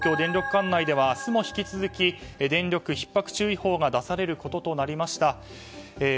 管内では明日も引き続き電力ひっ迫注意報が出されることとなりました。